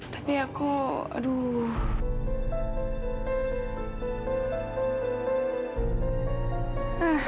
tapi aku aduh